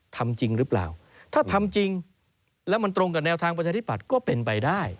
ทำจริงหรือเปล่าถ้าทำจริงแล้วมันตรงกับแนวทางประชาธิปัตย์ก็เป็นไปได้